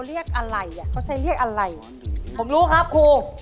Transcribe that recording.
เนี่ยนมผมก็มี๒เท่าเพราะถูก